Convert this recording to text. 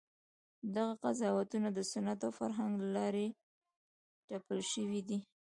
دغه قضاوتونه د سنت او فرهنګ له لارې تپل شوي دي.